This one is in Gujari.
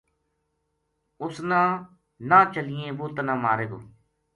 اس نا نہ چلنیے وہ تنا مارے گو‘‘